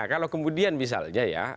kalau kemudian misalnya ya